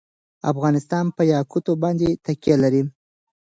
افغانستان په یاقوت باندې تکیه لري.